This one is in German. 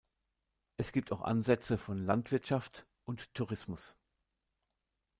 Es gibt auch Ansätze von Landwirtschaft und Tourismus.